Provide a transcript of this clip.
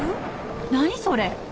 何それ。